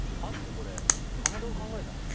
これかまどが考えたんでしょ？